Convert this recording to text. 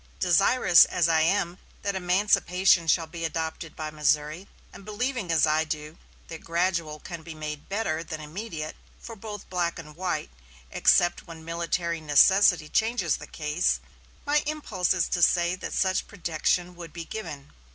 Desirous as I am that emancipation shall be adopted by Missouri, and believing as I do that gradual can be made better than immediate for both black and white, except when military necessity changes the case, my impulse is to say that such protection would be given.